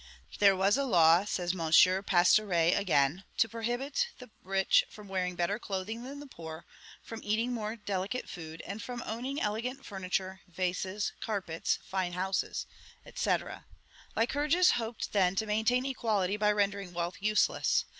"There was a law," says M. Pastoret again, "to prohibit the rich from wearing better clothing than the poor, from eating more delicate food, and from owning elegant furniture, vases, carpets, fine houses," &c. Lycurgus hoped, then, to maintain equality by rendering wealth useless.